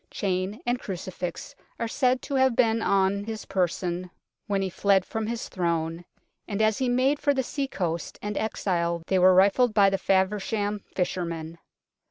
Chain and crucifix are said to have been on his person 56 UNKNOWN LONDON when he fled from his Throne, and as he made for the sea coast and exile they were rifled by the Faversham fishermen.